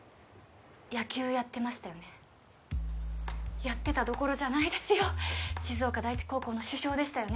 野球やってましたよねやってたどころじゃないですよ静岡第一高校の主将でしたよね